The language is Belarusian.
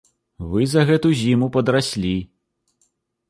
Вы за гэту зіму падраслі.